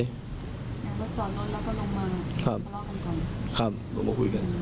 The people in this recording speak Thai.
อย่างรถจอดรถแล้วก็ลงมาลองมาพูดกัน